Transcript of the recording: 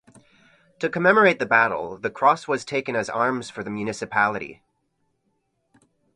To commemorate the battle, the cross was taken as arms for the municipality.